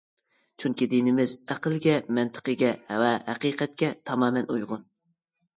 چۈنكى دىنىمىز ئەقىلگە، مەنتىقىگە ۋە ھەقىقەتكە تامامەن ئۇيغۇن.